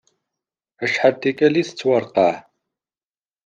Acḥal n tikkal i tettwareqqeɛ.